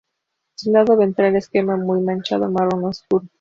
Su lado ventral es crema muy manchado marrón oscuro.